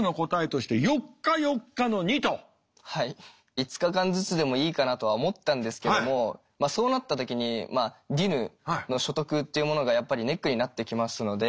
５日間ずつでもいいかなとは思ったんですけどもそうなった時にディヌの所得っていうものがやっぱりネックになってきますので。